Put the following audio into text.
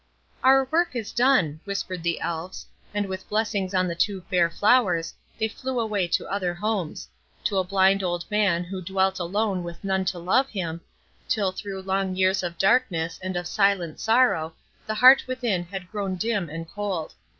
"Our work is done," whispered the Elves, and with blessings on the two fair flowers, they flew away to other homes;—to a blind old man who dwelt alone with none to love him, till through long years of darkness and of silent sorrow the heart within had grown dim and cold.